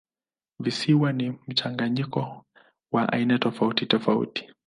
Visiwa ni mchanganyiko wa aina tofautitofauti.